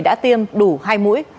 đã tiêm đủ hai mũi